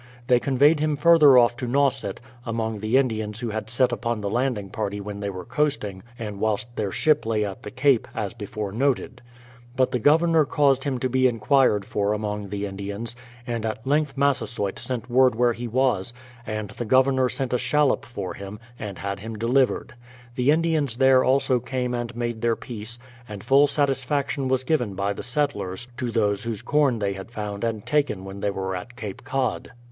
They conveyed him further off to Nauset, among the Indians who had set upon the landing party when they were coasting and whilst their ship lay at the Cape, as before noted. But the Governor caused him to be enquired for among the Indians, and at length Massasoyt sent word where he was, and the Gover nor sent a shallop for him, and had him delivered. The Indians there also came and made their peace and full satisfaction was given by the settlers to those whose corn they had found and taken when they were at Cape Cod.